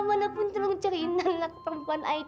mana pun tolong cariin anak perempuan i